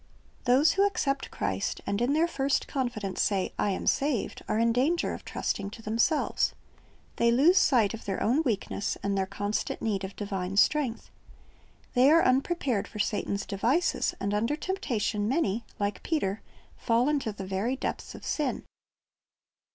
^ Those who accept Christ, and in their first confidence say, I am saved, are in danger of trusting to themselves. They lose sight of their own weakness and their constant need of divine strength. They are unprepared for Satan's devices, and under temptation many, like Peter, fall into the very depths of sin.